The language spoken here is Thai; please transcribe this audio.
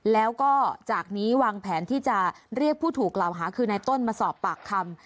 แล้วก็จากนี้วางแผนที่จะเรียกผู้ถูกกล่าวหาคือนายต้นมาสอบปากคำ